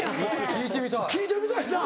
聞いてみたいな。